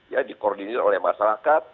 ya di koordinir oleh masyarakat